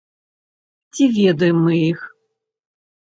Ці ведаем мы іх?